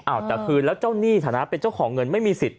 เอาแต่คืนแล้วเจ้าหนี้ฐานะเป็นเจ้าของเงินไม่มีสิทธิ